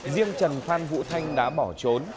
riêng trần phan vũ thanh đã bỏ trốn